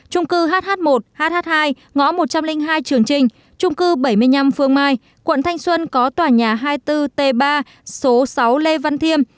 trung cư hh một hh hai ngõ một trăm linh hai trường trình trung cư bảy mươi năm phương mai quận thanh xuân có tòa nhà hai mươi bốn t ba số sáu lê văn thiêm